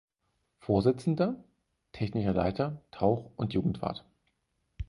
Vorsitzender, Technischer Leiter, Tauch- und Jugendwart.